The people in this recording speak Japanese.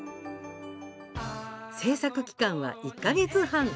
制作期間は１か月半。